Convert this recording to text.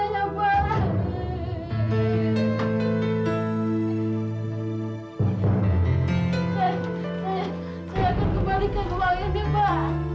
saya akan kembalikan kembaliannya pak